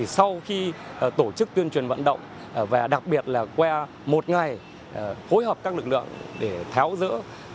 sau khi tổ chức tuyên truyền vận động và đặc biệt là qua một ngày hối hợp các lực lượng để tháo rỡ